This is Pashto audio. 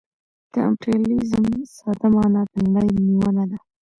د امپریالیزم ساده مانا د نړۍ نیونه ده